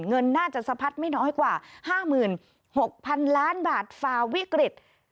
เงินน่าจะสะพัดไม่น้อยกว่า๕๖๐๐๐ล้านบาทฝ่าวิกฤต